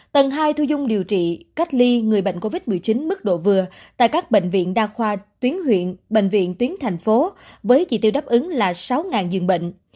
tầng hai thu dung điều trị cách ly người bệnh covid một mươi chín mức độ vừa tại các bệnh viện đa khoa tuyến huyện bệnh viện tuyến thành phố với chỉ tiêu đáp ứng là sáu dường bệnh